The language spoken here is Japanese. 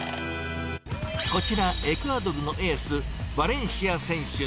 こちら、エクアドルのエース、バレンシア選手。